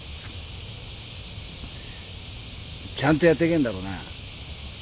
ちゃんとやってけんだろうな。